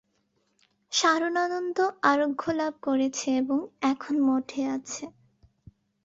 সারদানন্দ আরোগ্যলাভ করেছে এবং এখন মঠে আছে।